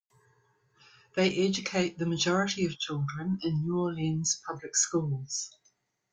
They educate the majority of children in New Orleans Public Schools.